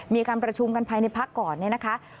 มีการประชุมกันภายในพักธุ์ก่อนนะคะ